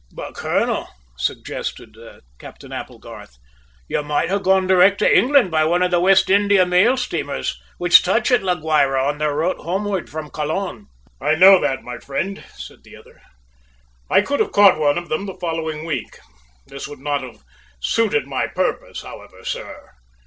"But, colonel," suggested Captain Applegarth, "you might have gone direct to England by one of the West India mail steamers which touch at La Guayra on their route homeward from Colon." "I know that, my friend," said the other. "I could have caught one of them the following week. This would not have suited my purpose, however, sir.